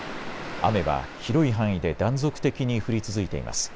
雨は広い範囲で断続的に降り続いています。